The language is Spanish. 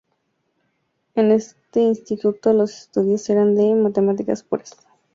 En este instituto los estudios eran de matemáticas puras, mecánica, física y astronomía.